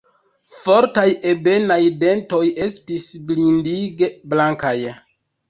Fortaj, ebenaj dentoj estis blindige blankaj.